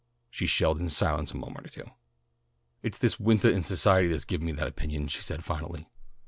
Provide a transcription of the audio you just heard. She shelled in silence a moment or two. "It's this wintah in society that's given me that opinion," she said finally.